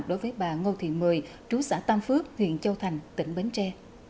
đối với bà ngô thị mười trú xã tam phước huyện châu thành tỉnh bến tre